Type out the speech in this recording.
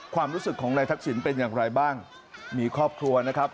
ความรู้สึกของนายทักษิณเป็นอย่างไรบ้างมีครอบครัวนะครับ